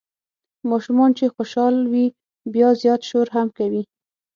ماشومان چې خوشال وي بیا زیات شور هم کوي.